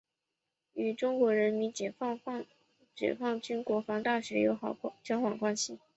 与中国人民解放军国防大学友好交往关系。